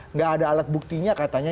nggak ada alat buktinya katanya